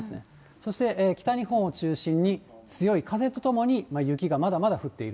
そして北日本を中心に、強い風とともに雪がまだまだ降っている。